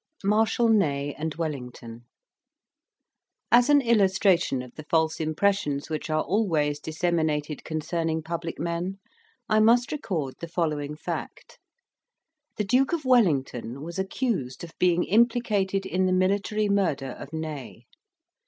MARSHAL NEY AND WELLINGTON As an illustration of the false impressions which are always disseminated concerning public men, I must record the following fact: The Duke of Wellington was accused of being implicated in the military murder of Ney.